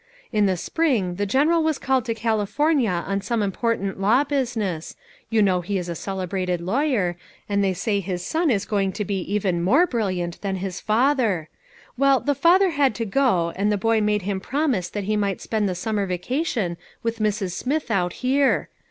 In the spring the General was called to California on some important law business you know he is a celebrated lawyer, and they say his son is going to be even more brilliant than his father well, the father had to go, and the boy made him promise that he might spend the summer vaca tion with Mrs. Smith out here.